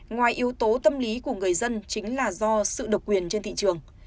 ngoài yếu tố tâm lý của người dân chính là do sự độc quyền trên thị trường